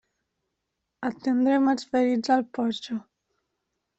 Atendrem els ferits al porxo.